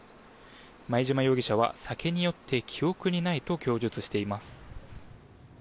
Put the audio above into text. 前嶋容疑者は酒に酔って記憶にないと供述しています。